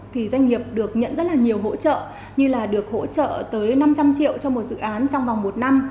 thì doanh nghiệp được nhận rất là nhiều hỗ trợ như là được hỗ trợ tới năm trăm linh triệu cho một dự án trong vòng một năm